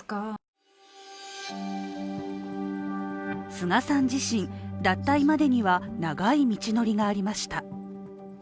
須賀さん自身、脱退までには長い道のりがありました。